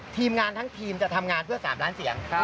ทีมงานทั้งทีมจะทำงานเพื่อ๓ล้านเสียง